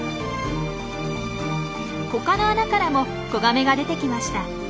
他の穴からも子ガメが出てきました。